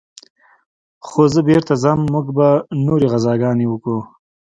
خو زه بېرته ځم موږ به نورې غزاګانې وكو.